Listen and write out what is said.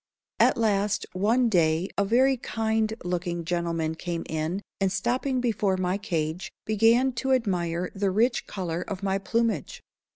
At last one day a very kind looking gentleman came in, and stopping before my cage, began to admire the rich color of my plumage.